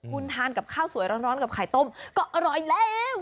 คุณทานกับข้าวสวยร้อนกับไข่ต้มก็อร่อยแล้ว